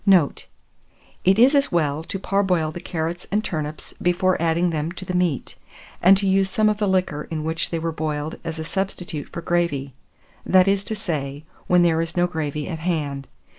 Note. It is as well to parboil the carrots and turnips before adding them to the meat, and to use some of the liquor in which they were boiled as a substitute for gravy; that is to say, when there is no gravy at hand.